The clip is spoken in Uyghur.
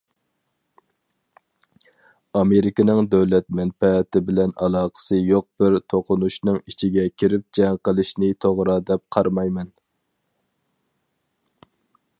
ئامېرىكىنىڭ دۆلەت مەنپەئەتى بىلەن ئالاقىسى يوق بىر توقۇنۇشنىڭ ئىچىگە كىرىپ جەڭ قىلىشنى توغرا دەپ قارىمايمەن.